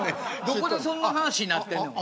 どこでそんな話になってんのや。